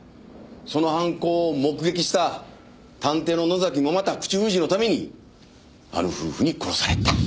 その犯行を目撃した探偵の野崎もまた口封じのためにあの夫婦に殺された。